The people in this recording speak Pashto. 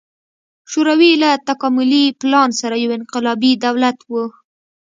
شوروي له تکاملي پلان سره یو انقلابي دولت و.